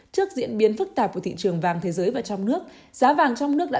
trước diễn biến phức tạp của thị trường vàng thế giới và trong nước giá vàng trong nước đã